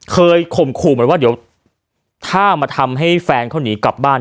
ข่มขู่เหมือนว่าเดี๋ยวถ้ามาทำให้แฟนเขาหนีกลับบ้าน